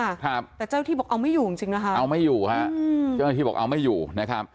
แต่เจ้าหน้าที่บอกเอาไม่อยู่จริงนะครับเอาไม่อยู่ครับเจ้าหน้าที่บอกเอาไม่อยู่นะครับ